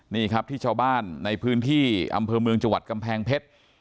นี่ครับที่ชาวบ้านในพื้นที่อำเภอเมืองจังหวัดกำแพงเพชร